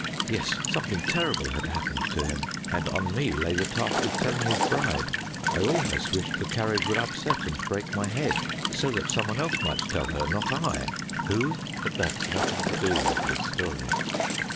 Yes, something terrible had happened to him, and on me lay the task of telling his bride. I almost wished the carriage would upset and break my head so that some one else might tell her, not I, who but that's nothing to do with his story.